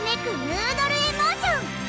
ヌードル・エモーション！